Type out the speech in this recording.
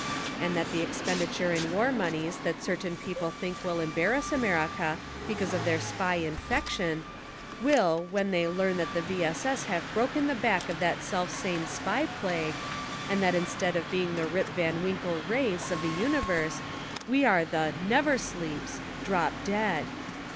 And that the expenditure in war moneys that certain people think will embarrass America because of their Spy infection — will, when they learn that the V. S. S. have hroken the back of that self same Spy plague, and that instead of being the "Rip Van Winkle" race of the uni verse we are the "Never Sleeps" — drop dead.